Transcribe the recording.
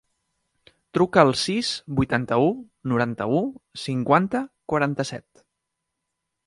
Truca al sis, vuitanta-u, noranta-u, cinquanta, quaranta-set.